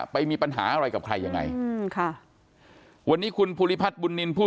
ไปมีปัญหาอะไรกับใครยังไงอืมค่ะวันนี้คุณภูริพัฒน์บุญนินทร์ผู้